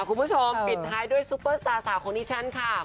คุณผู้ชมปิดท้ายด้วยซุปเปอร์สตาร์สาวของดิฉันค่ะ